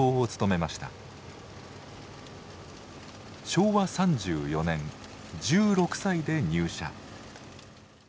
昭和３４年１６歳で入社。